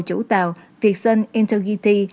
chủ tàu vietsun integrity